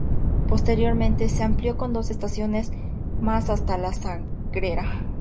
Posteriormente se amplió con dos estaciones más hasta la Sagrera.